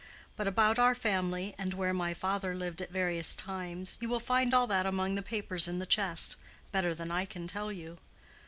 But about our family, and where my father lived at various times—you will find all that among the papers in the chest, better than I can tell you.